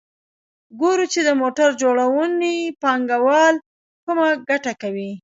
ګورو چې د موټر جوړونې پانګوال کمه ګټه کوي